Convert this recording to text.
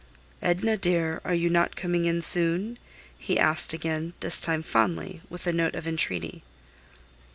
"Edna, dear, are you not coming in soon?" he asked again, this time fondly, with a note of entreaty.